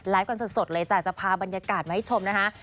กันสดเลยจ้ะจะพาบรรยากาศมาให้ชมนะคะ